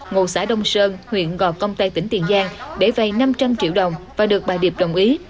ngụ xã đông sơn huyện gò công tây tỉnh tiền giang để vay năm trăm linh triệu đồng và được bà điệp đồng ý